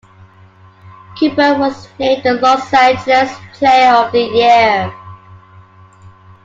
Cooper was named the Los Angeles Player of the Year.